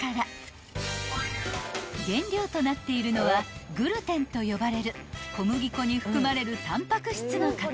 ［原料となっているのはグルテンと呼ばれる小麦粉に含まれるタンパク質の塊］